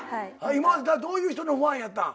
今までどういう人のファンやったん？